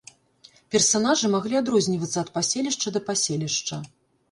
Персанажы маглі адрознівацца ад паселішча да паселішча.